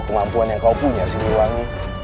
kemampuannya kau punya sendiri orang ini